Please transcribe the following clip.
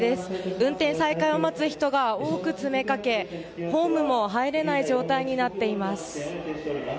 運転再開を待つ人が多く詰めかけホームも入れない状態になっています。